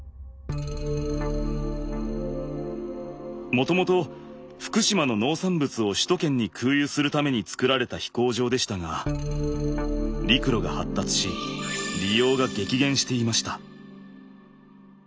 もともと福島の農産物を首都圏に空輸するために造られた飛行場でしたが陸路が発達し利用が激減していました。